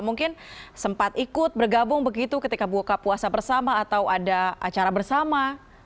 mungkin sempat ikut bergabung begitu ketika buka puasa bersama atau ada acara bersama